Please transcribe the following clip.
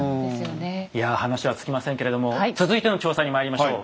いや話は尽きませんけれども続いての調査にまいりましょう。